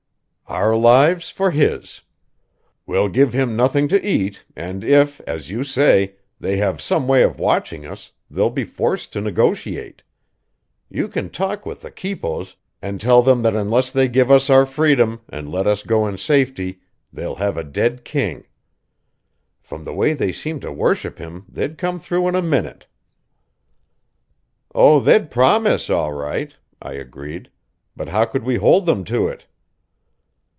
"Our lives for his. We'll give him nothing to eat, and if, as you say, they have some way of watching us, they'll be forced to negotiate. You can talk with the quipos, and tell them that unless they give us our freedom and let us go in safety they'll have a dead king. From the way they seem to worship him they'd come through in a minute." "Oh, they'd promise, all right," I agreed; "but how could we hold them to it?"